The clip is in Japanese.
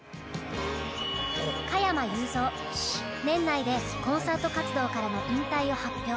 年内でコンサート活動からの引退を発表。